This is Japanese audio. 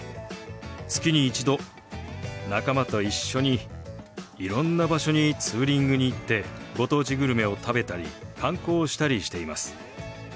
月に一度仲間と一緒にいろんな場所にツーリングに行ってご当地グルメを食べたり観光をしたりしています。